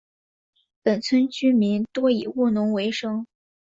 本村居民多以务农为生。